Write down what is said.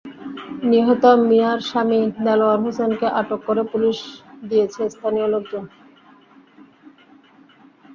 নিহত মিনার স্বামী দেলোয়ার হোসেনকে আটক করে পুলিশে দিয়েছে স্থানীয় লোকজন।